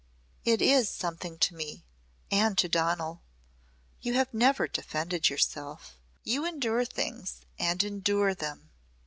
"It is something to me and to Donal. You have never defended yourself. You endure things and endure them.